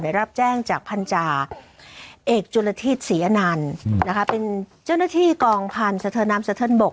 รับแจ้งจากพันธาเอกจุลทิศศรีอนันต์นะคะเป็นเจ้าหน้าที่กองพันธ์สะเทินน้ำสะเทินบก